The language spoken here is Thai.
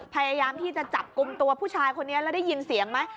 พยายามที่จะจับกลุ่มตัวผู้ชายคนนี้แล้วได้ยินเสียงไหม